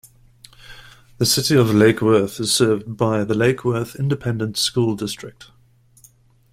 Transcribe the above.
The city of Lake Worth is served by the Lake Worth Independent School District.